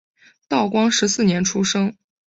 道光十四年出生。